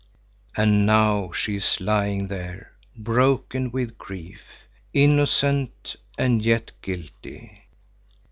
And now she is lying there, broken with grief. Innocent and yet guilty!